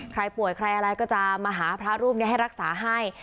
ใครป่วยใครอะไรก็จะมาหาพระรูปนี้ให้รักษาให้